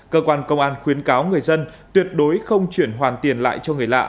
cơ quan công an khuyến cáo người dân tuyệt đối không chuyển hoàn tiền lại cho người lạ